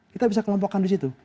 kita bisa kelompokkan di situ